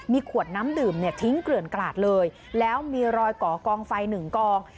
มีขวดน้ำดื่มเนี่ยทิ้งเกลื่อนกลาดเลยแล้วมีรอยก่อกองไฟหนึ่งกอง